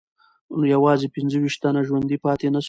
یوازې پنځه ویشت تنه ژوندي پاتې نه سول.